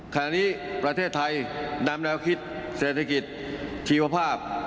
ขณะนี้ประเทศไทยนำแนวคิดเศรษฐกิจชีวภาพ